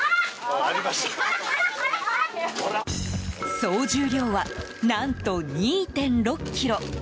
総重量は何と２．６ｋｇ！